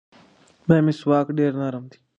دا مسواک ډېر نرم دی.